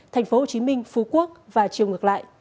tp hcm phú quốc và chiều ngược lại